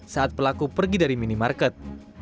saat pelaku pergi dari minimarket